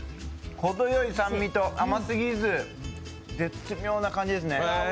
程よい酸味と甘すぎず絶妙な感じですね。